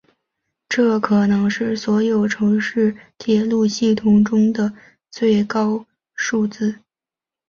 这可能是所有城市铁路系统中的最高数字。